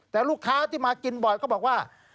แต่ลูกค้าที่มากินบ่อยก็บอกว่า